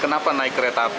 kenapa naik kereta api